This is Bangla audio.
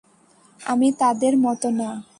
আমি তাদের মত না।